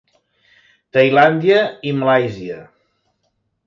Tailàndia i Malàisia.